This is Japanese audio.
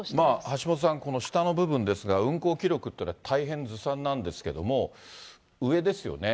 橋下さん、この下の部分ですが、運航記録っていうのは、大変ずさんなんですけれども、上ですよね。